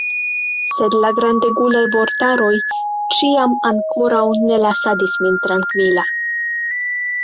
Sed la grandegulaj vortaroj ĉiam ankoraŭ ne lasadis min trankvila.